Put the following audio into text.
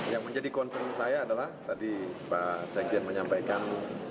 yang menjadi concern saya adalah tadi pak sekjen menyampaikan